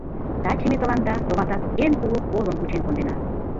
— Таче ме тыланда, товатат, эн кугу колым кучен кондена.